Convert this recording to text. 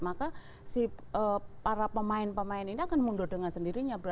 maka si para pemain pemain ini akan mundur dengan sendirinya